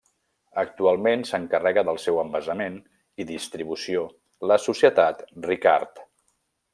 Actualment s'encarrega del seu envasament i distribució la societat Ricard.